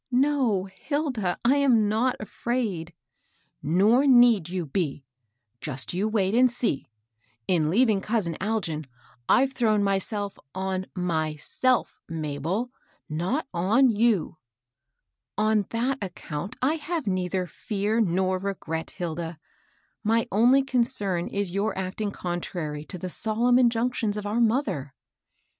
No, Hilda ; I am not afraid." " Nof need you be. Just you wait and see 1 In leaving cousin Algin, I've thrown myself on myBelf^ Mabel, not on you.^^ " On that account I have neither fear nor regret, Hilda ; my only concern is your acting contrary to the solemn injunctions of our mother."